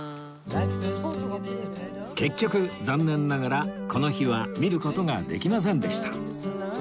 結局残念ながらこの日は見る事ができませんでした